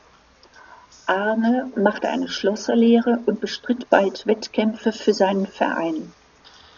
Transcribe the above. Aarne machte eine Schlosserlehre und bestritt bald Wettkämpfe für seinen Verein.